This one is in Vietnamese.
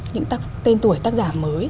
những tên tuổi tác giả mới